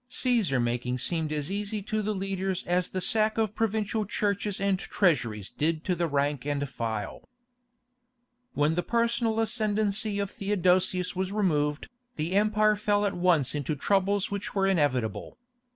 Cæsar making seemed as easy to the leaders as the sack of provincial churches and treasuries did to the rank and file. When the personal ascendency of Theodosius was removed, the empire fell at once into the troubles which were inevitable.